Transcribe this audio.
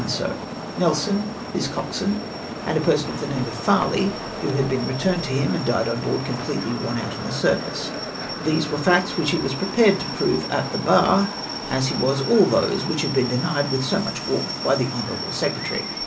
CROKER. 295 so, Nelson, his coxswain, and a person of the name of Farley, who had been returned to him and died on board completely worn out in the service. These were facts which he was prepared to prove at the bar, as he was all those which had been denied with so much warmth by the honourable se cretary.